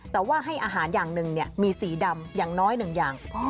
แต่ว่าให้อาหารอย่างหนึ่งมีสีดำอย่างน้อยหนึ่งอย่าง